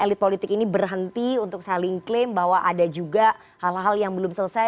elit politik ini berhenti untuk saling klaim bahwa ada juga hal hal yang belum selesai